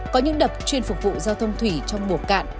có những đập chuyên phục vụ giao thông thủy trong mùa cạn